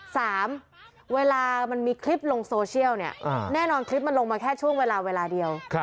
สามเวลามันมีคลิปลงโซเชียลเนี่ยแน่นอนคลิปมันลงมาแค่ช่วงเวลาเวลาเดียว